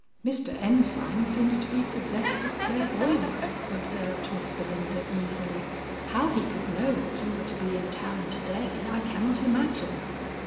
"Mr. Ensign seems to be possessed of clairvoyance," observed Miss Belinda easily. "How he could know that you were to be in town to day, I cannot imagine."